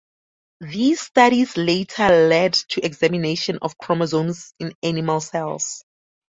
These studies later led to examination of chromosomes in animal cells.